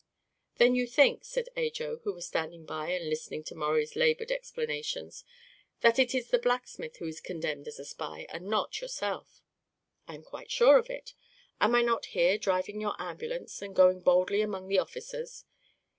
"Then you think," said Ajo, who was standing by and listening to Maurie's labored explanations, "that it is the blacksmith who is condemned as a spy, and not yourself?" "I am quite sure of it. Am I not here, driving your ambulance and going boldly among the officers?